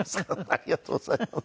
ありがとうございます。